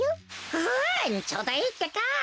うんちょうどいいってか！